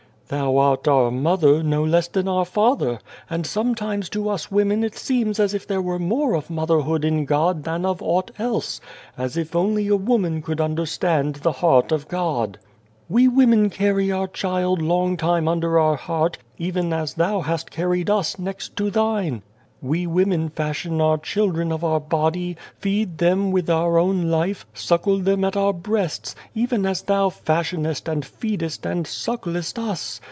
" Thou art our Mother, no less than our Father ; and sometimes to us women it seems as if there were more of motherhood in God than of aught else, as if only a woman could understand the heart of God. " We women carry our child long time under our heart, even as Thou hast carried us next to Thine. " We women fashion our children of our body, feed them with our own life, suckle them at our breasts, even as Thou fashionest and feedest and sucklest us.